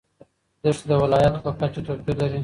دښتې د ولایاتو په کچه توپیر لري.